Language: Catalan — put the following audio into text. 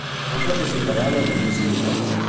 Com participarà en el judici, doncs?